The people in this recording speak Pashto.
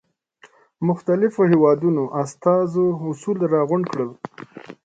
مختلفو هېوادونو استازو اصول را غونډ کړل.